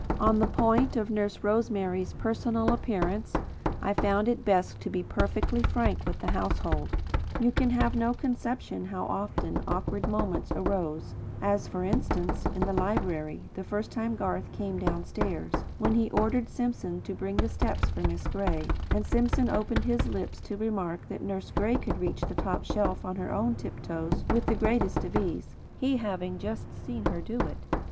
On the point of Nurse Rosemary's personal appearance, I found it best to be perfectly frank with the household. You can have no conception how often awkward moments arose; as, for instance, in the library, the first time Garth came downstairs; when he ordered Simpson to bring the steps for Miss Gray, and Simpson opened his lips to remark that Nurse Gray could reach to the top shelf on her own tiptoes with the greatest ease, he having just seen her do it.